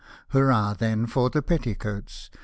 Hurrah then for the Petticoats